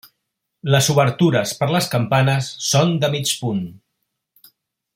Les obertures per les campanes són de mig punt.